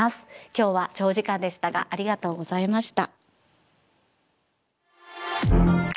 今日は長時間でしたがありがとうございました。